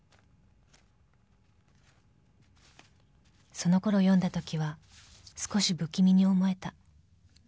［そのころ読んだときは少し不気味に思えた］